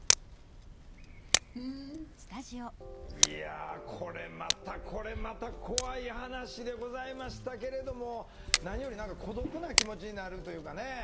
いやこれまたこれまた怖い話でございましたけれども何より何か孤独な気持ちになるというかね。